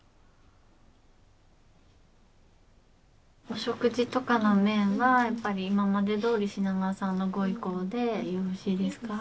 お食事とかの面はやっぱり今までどおり品川さんのご意向でよろしいですか？